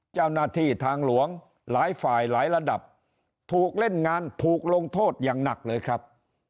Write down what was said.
เจ้าหน้าที่ทางหลวงหลายฝ่ายหลายระดับถูกเล่นงานถูกลงโทษอย่างหนักเลยครับ